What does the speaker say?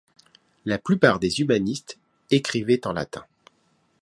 La plupart des humanistes écrivaient en latin.